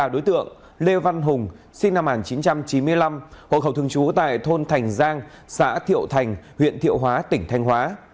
đối tượng lê văn hùng sinh năm một nghìn chín trăm chín mươi năm hộ khẩu thường trú tại thôn thành giang xã thiệu thành huyện thiệu hóa tỉnh thanh hóa